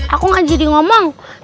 aku gak jadi ngomong